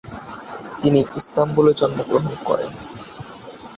তিনি ইস্তাম্বুল এ জন্মগ্রহণ করেন।